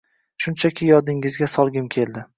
Shunchaki yodingizga solgim keldi